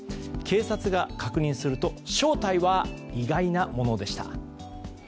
警察が確認すると正体は意外なものでした。